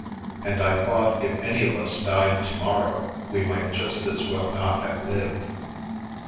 And I thought if any of us died to morrow, we might just as well not have lived.